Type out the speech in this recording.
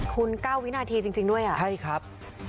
คุณ๙วินาทีจริงด้วยอ่ะใช่ครับ